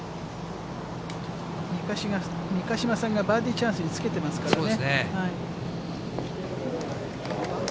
三ヶ島さんがバーディーチャンスにつけてますからね。